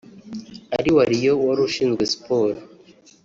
Ali Wario wari ushinzwe siporo